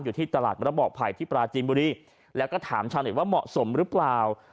อยู่ที่ตลาดระบอกไผ่ที่ปราจีนบุรีแล้วก็ถามชาวเน็ตว่าเหมาะสมหรือเปล่า